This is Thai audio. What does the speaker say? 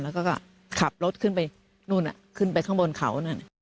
แล้วก็ขับรถขึ้นไปนู่นขึ้นไปข้างบนเขานั่น